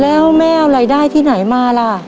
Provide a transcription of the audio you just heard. แล้วแม่เอารายได้ที่ไหนมาล่ะ